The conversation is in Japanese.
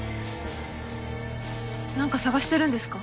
なんか探してるんですか？